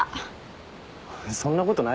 そんなことないよ。